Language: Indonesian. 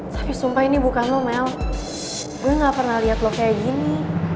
tapi sumpah ini bukan lo mel gue gak pernah liat lo kayak gini